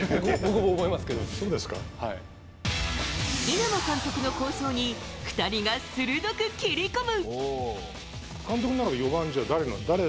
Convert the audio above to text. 稲葉監督の構想に２人が鋭く切り込む。